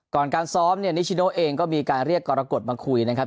ก่อนการซ้อมเนี่ยนิชิโนเองก็มีการเรียกกรกฎมาคุยนะครับ